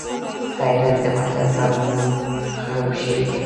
غیرت د وطن په وینو خړوب شوی دی